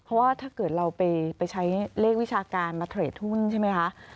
เพราะว่าถ้าเกิดเราไปใช้เลขวิชาการมาเทรดหุ้นใช่ไหมคะ